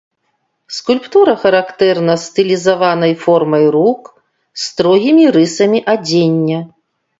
Скульптура характэрна стылізаванай формай рук, строгімі рысамі адзення.